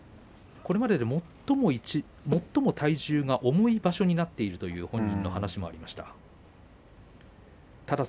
これまでで最も体重が重い場所になっているという本人の話もありました。